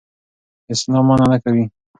اسلام منع نه کوي.